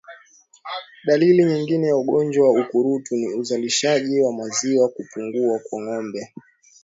Dalili nyingine ya ugonjwa wa ukurutu ni uzalishaji wa maziwa kupungua kwa ngombe